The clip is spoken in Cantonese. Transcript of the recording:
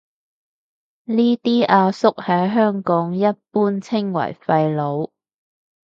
呢啲阿叔喺香港一般稱為廢老